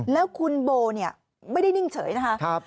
แล้วคุณโบไม่ได้นิ่งเฉยนะคะ